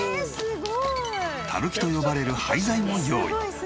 垂木と呼ばれる廃材も用意。